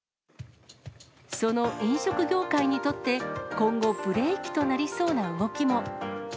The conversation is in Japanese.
その飲食業界にとって、今後、ブレーキとなりそうな動きも。